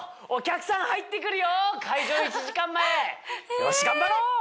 お客さん入ってくるよ開場１時間前よし！